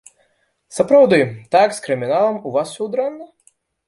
Сапраўды, так з крыміналам у вас усё дрэнна?